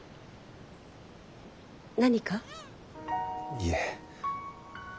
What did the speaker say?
いえ。